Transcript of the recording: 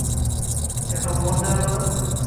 এটা মজার না!